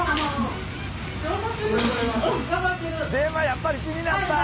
やっぱり気になった。